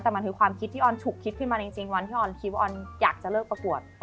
แต่มันคือความคิดที่ออนฉุกคิดขึ้นมาจริงวันที่ออนคิดว่าออนอยากจะเลิกประกวด